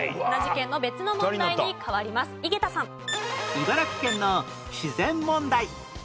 茨城県の自然問題